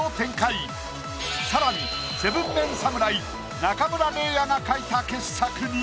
さらに７ＭＥＮ侍・中村嶺亜が描いた傑作に。